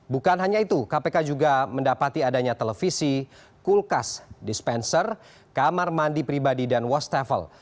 bukan hanya itu kpk juga mendapati adanya televisi kulkas dispenser kamar mandi pribadi dan wastafel